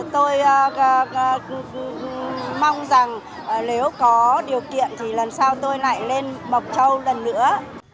tôi mong rằng nếu có điều kiện thì lần sau tôi lại lên mộc châu lần nữa